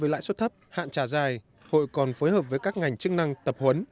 với lãi suất thấp hạn trả dài hội còn phối hợp với các ngành chức năng tập huấn